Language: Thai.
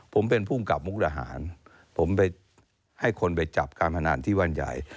ผมเป็นภูมิกับมุกดาหารผมไปให้คนไปจับการพนันที่ว่านใหญ่